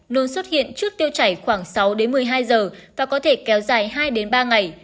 nồn xuất hiện trước tiêu chảy khoảng sáu một mươi hai giờ và có thể kéo dài hai ba ngày